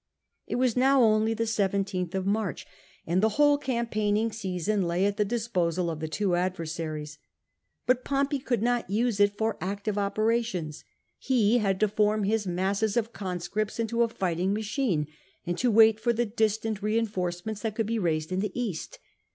It w^s now only the 17th of March, and the whole POMPEY RETIRES TO EPIRUS 283 campaigning season lay at the disposal of the two adver saries. But Poinpey could not use it for active operations. He had to form his masses of conscripts into a fighting machine, and to wait for the distant reinforcements that could be raised in the East.